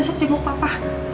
besok cengkup papa